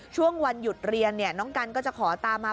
ช่วงวันหยุดเรียนน้องกันก็จะขอตามมา